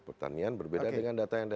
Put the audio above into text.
pertanian berbeda dengan data yang ada